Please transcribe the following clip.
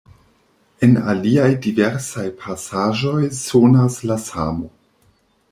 En aliaj diversaj pasaĵoj sonas la samo.